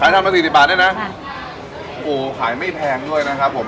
ขายทำตั้งสี่สิบบาทด้วยนะค่ะโอ้โหขายไม่แพงด้วยนะครับผม